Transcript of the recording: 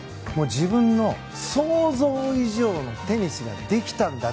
自分の想像以上のテニスができたんだと。